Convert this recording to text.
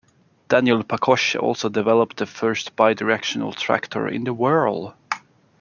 Daniel Pakosh also developed the first bi-directional tractor in the world.